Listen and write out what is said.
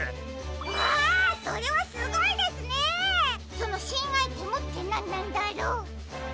そのしんアイテムってなんなんだろう？